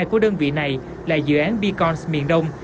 cách hai của đơn vị này là dự án beacons miền đông